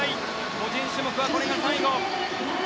個人種目はこれが最後。